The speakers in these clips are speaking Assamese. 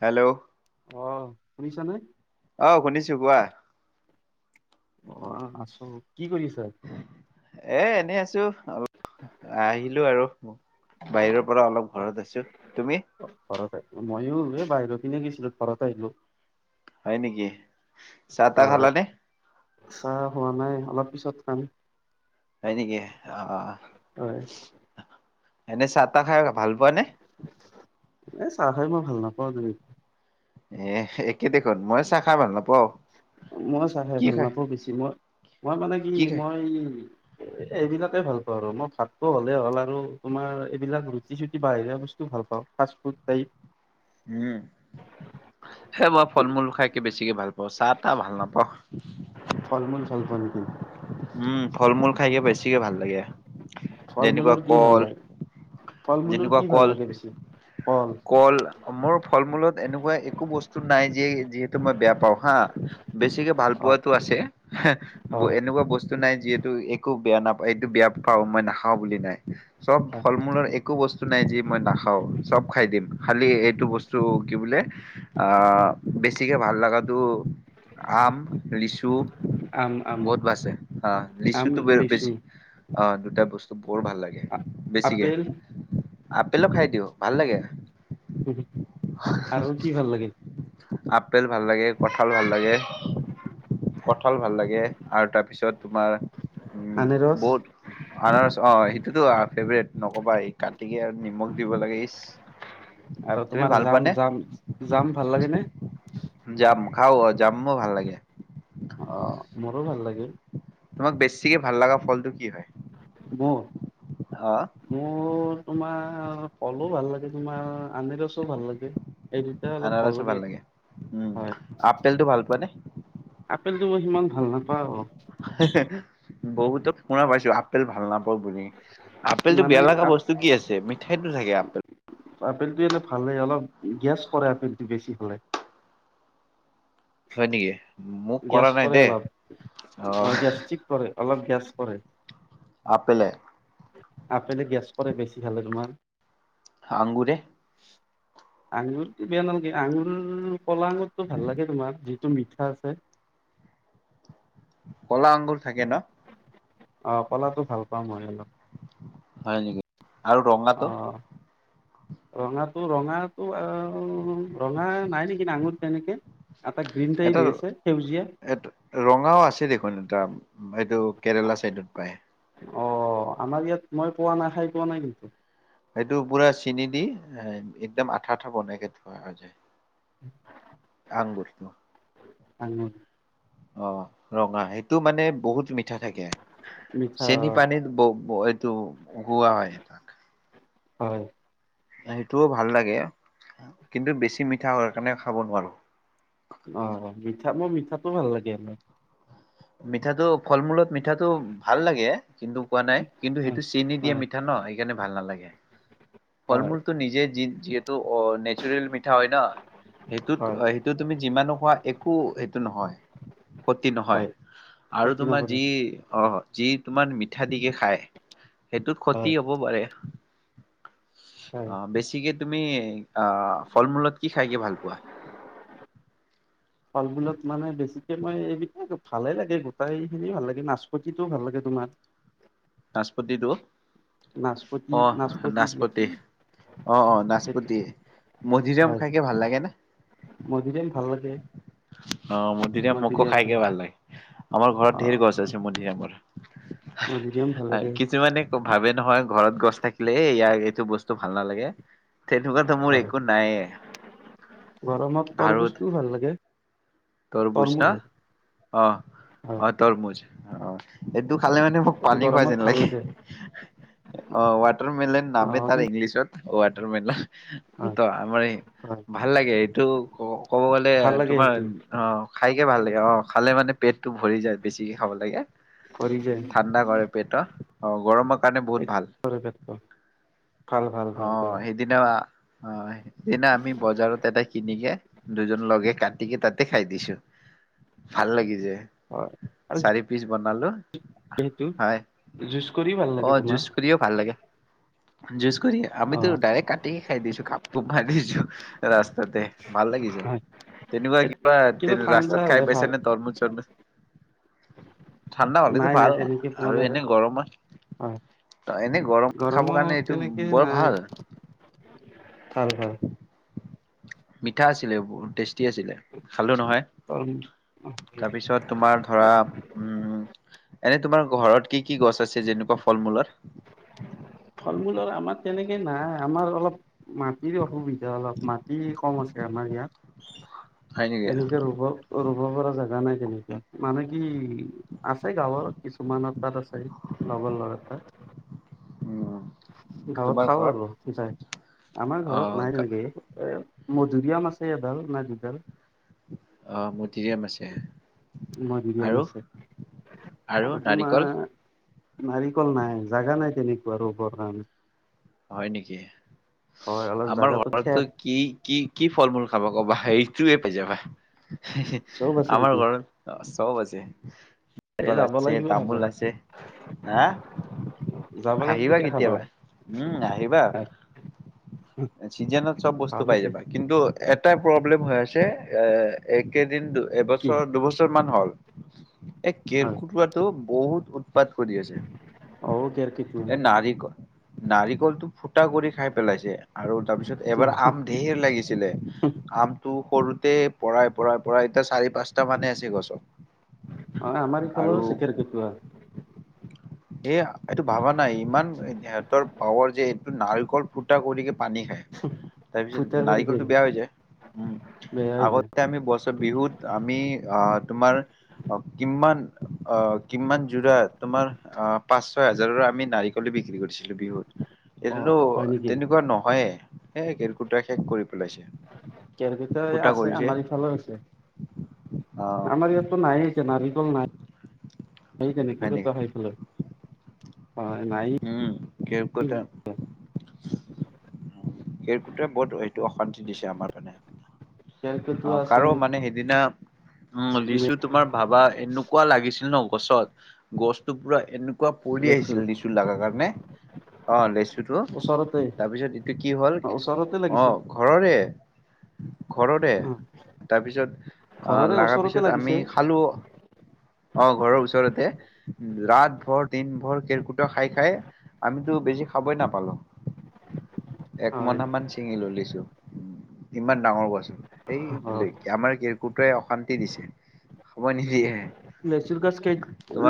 হেল্ল' অ' শুনিছা নে? অ' শুনিছো কোৱা। অ' আছো। কি কৰিছা? এ' এনেই আছো, অপ আহিলো আৰু, বাহিৰৰ পৰা অলপ অ ঘৰত আহিছো। তুমি? মইয়ো এই বাহিৰৰ পিনে গৈছিলো, ঘৰত আহিলো। হয় নেকি? চাহ তাহ হয়। খালা নে? চাহ খোৱা নাই, অলপ পিছত খাম। হয় নেকি, অ'অ' হয় এনেই চাহ তাহ খাই ভাল পোৱা নে? এ' চাহ খাই মই ভাল নাপাওঁ। তেনে এ' একে দেখোন, মই চাহ খাই ভাল নাপাওঁ। মই চাহ খাই ভাল নাপাওঁ। বেছি মই মই মানে কি, মই এইবিলাকে ভাল পাওঁ, আৰু মই ভাততো হ'লেই হ'ল আৰু, তোমাৰ এইবিলাক ৰুটি চুটি বাহিৰা বস্তু ভাল পাওঁ, ফাষ্ট ফুডটাইপ। উম, সে মই ফল মূল খাইকে বেছিকে ভাল পাওঁ। চাহ টাহ ভাল নাপওঁ। ফল মূল ভাল পোৱা নেকি? উম, ফল মূল খাইকে বেছিকে ভাল লাগে। ফল যেনেকুৱা মূলৰ কি ভাল কল লাগে? ফল মূলৰ যেনেকুৱা কি কল ভাল লাগে বেছি? কল, মোৰ ফল মূলত এনেকুৱা একো বস্তু নাই যে যিহেতু মই বেয়া পাওঁ। হা বেছিকে ভাল অ', পোৱাতো আছে, অ', এনেকুৱা বস্তু তো নাই, যিহেতু একো বেয়া নাপা এইটো বেয়া পাওঁ মই নাখাওঁ বুলি নাই চব ফল মূলৰ একো বস্তু নাই যি মই নাখা। চব খাই দিম, খালী এইটো বস্তু কি বোলে বেছিকৈ ভাল লগাটো আম, লিচু, আম আম বহুত বাছে। অ' আম লিচুটো বৰ লিচু বেছি, অ' টা বস্তু বৰ ভাল লাগে, বেছিকে আপেল, আপেলো খাই দিওঁ, ভাল লাগে, আৰু কি ভাল লাগে? আপেল ভাল লাগে কঠাল ভাল লাগে কঠাল ভাল লাগে আৰু তাৰপিছত তোমাৰ উম আনাৰস বহুত আনাৰ অ সেইটোতো ফেভৰেট নকবা এই কাটিক আৰু নিমখ দিব লাগে ই আৰু তোমাৰ যাম যাম যাম ভাল লাগে নে যাম খাও যাম ভাল লাগে অ মোৰো ভাল লাগিল তোমাক বেছিকে ভাল লগা ফলটো কি হয় মোৰ আছে [unintelligible] মোৰ তোমাৰ কলো ভাল লাগে তোমাৰ আনি ৰছো ভাল লাগে এই দুটা অলপ আনাৰসো ভাল লাগে উম হয় আপেল টো ভাল পোৱা নে আপেলটো মই সিমান ভাল নাপাওঁ বহুতো শুনা পাইছো আপেল ভাল নাপাওঁ বুলি আপেল টো মানে বেয়া লগা বস্তু কি আছে মিঠা সেইটো থাকে আপেল আপেলটো এনে ভালেই অলপ গেছ কৰে আপেলটো বেছি হাললে হয় নেকি মোক গেছ কৰা নাই কৰে দেই অলপ অ আহ গেষ্টিক কৰে অলপ গেছ কৰে আপেলেল গেছ পৰে বেছি ভালে তোমাৰ আগুৰে আঙুৰটো বেয়া নালাগে আঙুৰ কলা আঙুৰতটো ভাল লাগে তোমাৰ যিটো মিঠা আছে কলা আংগুৰ থাকে ন? অ পলাটো ভাল পাওঁ মই অ হয় ন আৰু ৰঙাটো অ' ৰঙাটো ৰঙাটো আহ ৰঙা নাই নেকি নাঙুৰ তেনেকে এটা গ্ৰীণ টাইপ এটা আছে সেউজীয়া এ ৰঙাও আছে দেখোন এটা এইটো কেৰেলা চাইডত পায় অ আমাৰ ইয়াত মই পোৱা নাই খাই পোৱা নাই কিন্তু সেইটো পুৰা চিন দি এ একদম আঠা আঠা বনাইকে থোৱা হয় যায় [inaudible] আঙুৰটো আহ অ ৰঙা সেইটো মানে বহুত ম পিঠা থাকে মিঠা চেনি পানীত ব এইটো উৱা হয় তাক হয় সেইটোও ভাল লাগে কিন্তু বেছি মিঠা হোৱাৰ কাৰণে খাব নোৱাৰো অ মিঠা মই মিঠাটো ভাল লাগে আৰ মিঠাটো ফল মূলত মিঠাটো ভাল লাগে কিন্তু কোৱা নাই কিন্তু সেইটো চেনি দিয়া হয় মিঠা ন সেইকাৰণে ভাল নালাগে ফল হয় মূলটো নিজে যি যিহেতু নেচাৰেল মিঠা হয় ন সেইটোত হয় সেইটো তুমি যিমানো খোৱা একো টো নহয় সতি নহয় হয় আৰু ক্ষতি তোমাৰ নকৰে যি অ যি তোমাৰ মিঠা দিকে খায় সেইটোত ক্ষতি হয় হব পাৰে উ হয় অ বেছিকে তুমি আহ ফল মূলত কি খাই কে ভাল পোৱা ফলবুলত মানে বেছিকে মই এই বিখে ভালে লাগে গোটেই খিনি ভাল লাগে নাচপতিটোও ভাল লাগে তোমাৰ। নাচপতিটো। নাচপতি অহ যি নাচপতি। অহ-অহ সেইটো নাচপতি, মধিৰাম হয় খাইকে ভাল লাগে নে? উম অ মধিৰাম মোকো খাইকে ভাল লাগে। আমাৰ অ ঘৰত ধঢেৰ গছ আছে মধিৰিমৰ মধুৰিআম ভাল লাগে কিছুমানে ভাবে নহয় ঘৰত গছ থাকিলে এ ইয়াৰ এইটো বস্তু ভাল নালাগে, তেনেকুৱাাতো মোৰ হয় একো নাইে গৰমত আৰু তৰমুজটোও ভাল লাগে তোৰবুজ তৰমুজ ন? অ', হয় অ' তোৰবুজ অহ এইেইটো খালে মানে মোক এইটো পানী খোৱা গৰমত যেন ভাল লাগে। অ ৱাটাৰ মেলন অ নামে তাৰ কিন্তু ইংলিছত ৱাটাৰ মেলা হয় আমাৰ এই হয় ভাল লাগে। এইটো ক ক'ব গলে ভাল লাগে তোমাৰ, সেইটো অহ খাইকে ভাল লাগে। অ খাল মানে পেটতটো ভৰি যায়। বেছিকে খাব লাগে ভৰি যায় ঠাণ্ডা কৰে পেটৰ অ গৰমৰ কাৰণে বহুত ভাল। কৰে পেটটো ভাল ভাল ভাল ভাল অহ সেইদিনা আহ হয় সদিনা আমি বজাৰত এটা কিনিকে দুজন লগে কান্ তিিকে তাতে খাই দিছো। ভাল লাগি যে। আৰু চাৰি পিচ বনালো। হয়। জুচ কৰি ভাল লাগে তোমাৰ? জোছ কৰি অ আমিতো ডাইৰেক্ কাটিে খাই দিছো। কাপ ক মাৰি দিছো ৰাচ তাতে ভাল লাগিছে। হয় তেনেকুৱা কিবা কিন্তু ঠাণ্ডা ৰাস্তাত খাই হ'লে পাইছে ভাল নে তৰমুজ-চৰমুজ? ঠাণ্ডা হলেতটো নাই নাই ভাল তেনেকে পোৱা আৰু নাই এনে গৰমত হয় এনে গৰম খাব কাৰণে গৰমত এইটো বৰ নাই ভাল। ভাল-ভাল মিঠা আছিলে বহুত, টেষ্টি আছিলে। খালো নহয়। তৰমুজ তাৰপিছত তোমাৰ ধৰা উ এনে তোমাৰ ঘৰত কি-কি গছ আছে যেনেকুৱা ফল মূলত? ফল মূলৰ আমাৰ তেনেকেই নাই আমাৰ অলপ মাটিৰ অসুবিধা অলপ মাটি কম আছে আমাৰ হয় নেকি? ইয়াত। এনেকে ৰুব, ৰুব পৰা জোগা নাই। তেনে মানে কি আছে গাঁৱৰ কিছুমানৰ তাত আছে লগৰ লৰাৰ তাত উম গাঁৱত তোমাৰ খাও ঘৰত? আৰু যাই আমাৰ ঘৰত অ', নাই গা তেনেকে এ মজুৰিআম আছে এডাল না দুডাল অহ মধুৰিআম আছে মধুৰিআম আৰু আছে আৰু নাৰিকল নাৰিকল নাই জাগা নাই তেনেকুৱা আৰু ব কাৰণে হয় নেকি হয় অলপ আমাৰ জাগাটো ঘৰতটো ঠেক কি কি কি ফল মূল খাবা ক'বা সেই কি এটো জাগা হে হে চব আছে আমাৰ নেকি ঘৰত আছ চব আছে তে নাৰিকল যাব আছে লাগিব খাব তামোল আছে হা যাব লাগিব আহিবা দে খাবা কেতিয়াবা উম আহিবা চিজনত চব বস্তু ভালে পাই দে যাবা কিন্তু এটাই প্ৰব্লেম হৈ আছে এ একেদিন কি এবছৰ দুবছৰ মান হ'ল এই অ কেৰকেটুৱাটো বহুত [unintelligible] কত কৰি আছে অ এই কেৰ্কেটুৱা নাৰিক নাৰিকলটো ফুটা কৰি খাই পেলাইছে আৰু তাৰপিছত এবাৰ অ আম ঢেৰ লাগিছিলে আমটো সৰুতে পৰাই পৰাই পৰাই এতিয়া চাৰি পাঁচটা মানে আছে গছত আমাৰ ইফালৰো আৰু আছে কেৰ্কেটুৱা এই এইটো ভাবা নাই ইমান পাৱৰ যে এইটো নাৰিকল ফুটা কৰি কে পানী খায় তাৰপিছত ফুটা কৰি দিয়ে নাৰিকলটো বেয়া হৈ যায় বেয়া হৈ যায় আগতে আমি বছৰ বিহুত আমি আ তোমাৰ অ কিমান অ কিমান জোৰা তোমাৰ আ পাঁচ ছয় হাজাৰৰ আমি নাৰিকল এ বিক্ৰী কৰিছিলো বিহুত এইটোত তেনেকুৱা নহয়ে সেই কেৰ্কেটুৱাই শেষ কৰি পেলাইছে। কেৰকেটুৱাই ফুটা আছে কৰিছে আমাৰ ইফালে আছে আহ আমাৰ ইয়াতো নাই এতিয়া নাৰিকল নাই সেই তেনেক হয় চ নেকি আহাই ফেলে উম কেৰকুটা কেৰকুটাৱে বহুত সেইটো অশান্তি দিছে আমাৰ মানে কেৰ্কেটুৱা অ আছে কাৰো মানে সেইদিনা উম লিচু তোমাৰ ভাবা এনেকুৱা লাগিছিল ন পছত গছটো পুৰা এনেক। পৰি লেচু আহিছিল নিছো লগা কাৰণে। অ লেছো। ওচৰতে তাৰপিছত। ওচৰতে অ লাগিছে ঘৰৰে। এ। ঘৰতে অ', তাৰপিছত ঘৰৰে লগা ওচৰতে পিছত আমি লাগিছে খালোঁ অ ঘৰৰ ওচৰতে ৰাত ভৰ দিন ভৰ কেৰকুটাা খাই খাই আমিতো বেছি খাবই নাপালো। এক হয় মনা মান ছিঙি লো লিছো। ইমান ডাঙৰ কোছো। এই ব অ আমাৰ কি। গুটে অশান্তি দিছে সময় নিদিয়েহে। লেচুৰ গছ কেই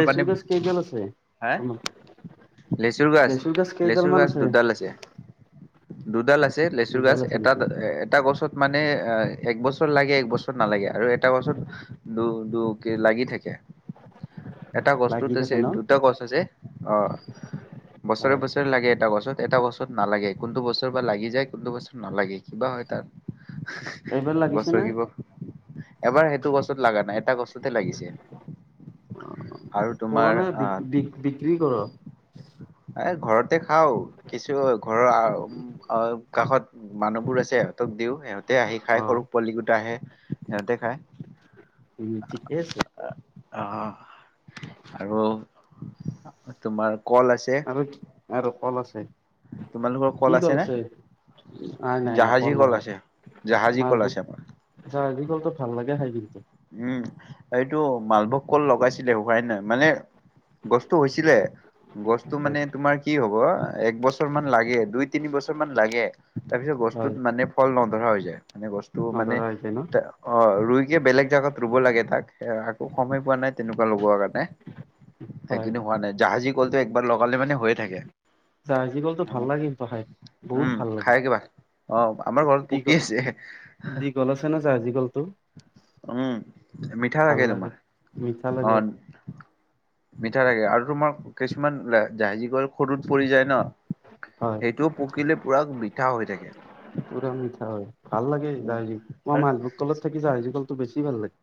লেচু গাজ কেইডাল আছে। হা তোমাৰ লেচুৰ গছ কেইডাল মান আছে। দুদাল আছে। আছে লেচু দুডাল গছ আছে এটা নেকি এটা গছত মানে। এ এক বছৰ লাগে এক বছৰত নালাগে। আৰু এটা বছৰত দু দু কে লাগি থাকে। কে। এটা গছটোত লাগি আছে থাকে ন দুটা গছ আছে অ। বছৰে হয় বছৰে লাগে এটা গছত এটা বছৰত নালাগে কোনটো বছৰ বা লাগি যায়। কোনটো বছৰত নালাগে কিবা হয় তাৰ। এইবাৰ লাগিছে গছৰ না। কিবা এবাৰ সেইটো গছত লা নাই এটা গছতহে লাগিছে। অ আৰু পোৱা তোমাৰ নাই বি আহ বি বিক্ৰী কৰ। এ ঘৰতে খাওঁ। কিছু ঘৰৰ কাষত মানুহবোৰ আছে সিহঁতক দিওঁ সিহঁতে আহি খাই সৰু পোৱালি গোটা আহে সিহঁতে খায়। ঠিকে আছে। অ আৰু তোমাৰ। কল আছে আৰু আৰু কল আছে। তোমালোকৰ কল কি আছে নে কলছে নাই নাই নাই জাহাজী কল নাই আছে জাহাজী কল আছে মালভোগ আমাৰ চ কল তো ভাল লাগে খাই পিনি। উম এইটো মালভোগ কল লগাইছিলে সাই নাই মানে গছটো হৈছিলে। গছটো মানে তোমাৰ কি হব এক বছৰ মান লাগে দুই তিনি বছৰ মান লাগে তাৰপিছত গছটোত হয় মানে ফল নধৰা হৈ যায় মানে গছ। তটো মানে নধৰা হৈছে ন তাৰ ৰুই। বেলেগ। জগত ৰুব লাগে তাক একো সময় পোৱা নাই তেনেকুৱা লগোৱাৰ কাৰণে হয় সেইখন্তু হোৱা নাই জাহাজী কলটো একবাৰ লগালে মানে হৈয়ে থাকে। চাৰ্জি কলটো ভাল লাগে। পহাই উম বহুত ভাল খাই কিবা অ আমাৰ লাগে ঘৰত পকি আছে দঘল দীঘল আছে ন চাৰ্জি কলটো। উম মিঠা লাগে তোমাৰ মিঠা অ। লাগে মিঠা থাকে আৰু তোমাৰ কিছুমান জাহাজী কল সৰুত পৰি যায় ন হয় সেইটো পকিলে পুৰা মিঠা হৈ থাকে। পৰাম হয় ভাল লাগে উম জাহজী মই আৰু মালভোগ কলত থাকি জাহজী কলটো বেছি ভাল লাগে।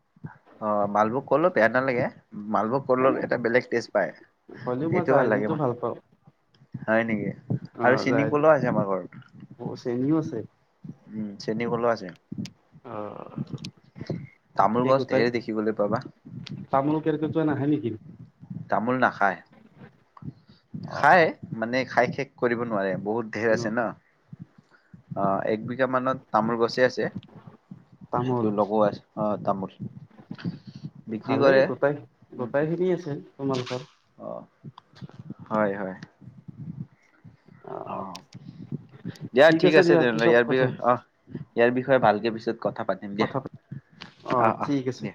অ মালভোগ কলো বেয়া নালাগে মালভোগ কলৰ এটা বেলেগ টেষ্ট পায়। হ'লেও মই সেইটো ভাল লাগে জাহাজীটো ম পাওঁ হয় নেকি অ আৰু চেনী জাহাজী কুল আছে আমাৰ ঘৰত চেনিও আছে উম চেনী কুলো আছে। অ তামোল তে গছ গোটাই ঢেৰ দেখিবলৈ পাবা তামোল কেৰ্কেটুৱা নাহে নেকি? তামোল নাখা, হয় অ খাই মানে খাই শেষ কৰিব নোৱাৰে। বহুত ধেৰ আছে ন। আহ এক বিঘা মানত তামোল গছেই আছে। সেইটো তামোল লগো আছে আহ তামোল বিক্ৰী ভালেই কৰে গোটাই উম গোটাই খিনি আছে তোমালোকৰ। আহ। হয় হয়। অ দিয়া ঠিক আছে দিয়া তেনেহ'লে পিছত ইয়াৰ কথা বিষয়ে অ ইয়াৰ বিষয়ে ভালকে পিছত কথা পাতিম দিয়া কথা পাতিম। অ আহ আহ ঠিক আছে। দিয়া।